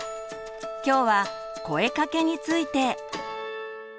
今日は「声かけ」について。